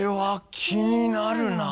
気になるなあ。